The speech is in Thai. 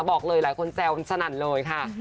บอกเลยหลายคนแซวสนั่นเลยค่ะ